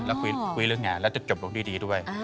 แล้วคุยเรื่องงานแล้วจะจบลงดีด้วย